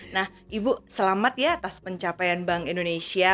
nah ibu selamat ya atas pencapaian bank indonesia